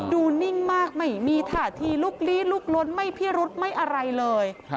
ดูนิ่งมากไม่มีถาดที่ลุกลีลลุกลดไม่เพี้ยรถไม่อะไรเลย